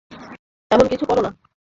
এমন কিছু কোরো না।